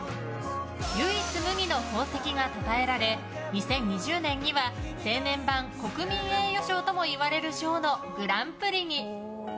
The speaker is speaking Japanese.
唯一無二の功績がたたえられ２０２０年には青年版国民栄誉賞ともいわれる賞のグランプリに。